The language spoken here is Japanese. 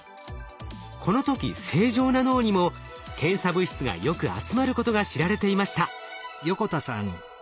この時正常な脳にも検査物質がよく集まることが知られていました。